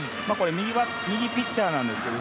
右ピッチャーなんですけど